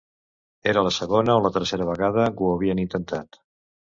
Era la segona o la tercera vegada que ho havien intentat.